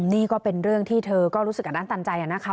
นี่ก็เป็นเรื่องที่เธอก็รู้สึกกับด้านตันใจนะคะ